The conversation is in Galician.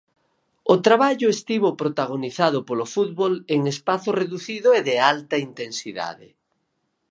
O traballo estivo protagonizado polo fútbol en espazo reducido e de alta intensidade.